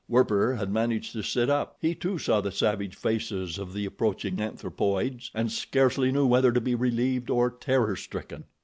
Werper had managed to sit up. He, too, saw the savage faces of the approaching anthropoids and scarcely knew whether to be relieved or terror stricken.